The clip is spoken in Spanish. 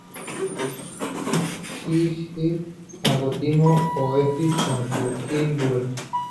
Gigi D'Agostino o Eiffel con su "I'm blue".